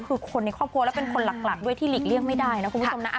คือคนในครอบครัวแล้วเป็นคนหลักด้วยที่หลีกเลี่ยงไม่ได้นะคุณผู้ชมนะ